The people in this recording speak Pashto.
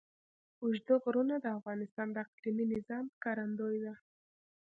اوږده غرونه د افغانستان د اقلیمي نظام ښکارندوی ده.